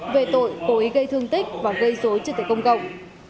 về tội cố ý gây thương tích và gây dối trực tựa công cộng